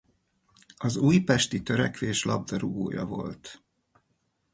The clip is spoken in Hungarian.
Az Újpesti Törekvés labdarúgója volt.